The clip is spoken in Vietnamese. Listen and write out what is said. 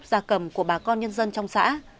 da cầm của bà con nhân dân trong xã